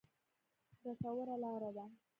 ګټوره لاره ده.